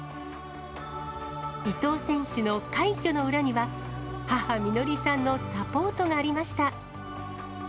伊藤選手の快挙の裏には、母、美乃りさんのサポートがありました。